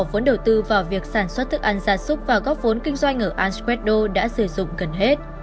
vốn đầu tư vào việc sản xuất thức ăn giả súc và góp vốn kinh doanh ở an square do đã sử dụng gần hết